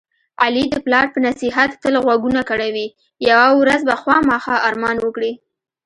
علي د پلار په نصیحت تل غوږونه کڼوي. یوه ورځ به خوامخا ارمان وکړي.